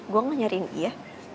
gue gak nyariin dia